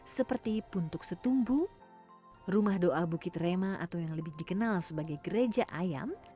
seperti puntuk setumbu rumah doa bukit rema atau yang lebih dikenal sebagai gereja ayam